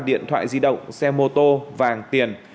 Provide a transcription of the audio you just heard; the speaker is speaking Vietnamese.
điện thoại di động xe mô tô vàng tiền